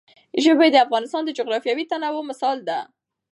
ژبې د افغانستان د جغرافیوي تنوع مثال دی.